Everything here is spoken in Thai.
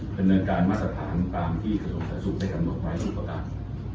เป็นเนินการมาสะพานตามที่เขาสาธารณ์สูงได้กันหมดไว้ทุกข์ประกาศ